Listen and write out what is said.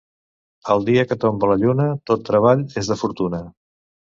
El dia que tomba la lluna tot treball és de fortuna.